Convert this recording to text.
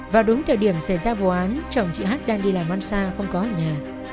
vào đúng thời điểm xảy ra vụ án chồng chị h đang đi làm ăn xa không có ở nhà